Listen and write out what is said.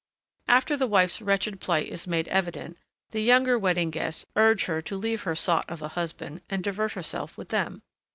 After the wife's wretched plight is made evident, the younger wedding guests urge her to leave her sot of a husband and divert herself with them.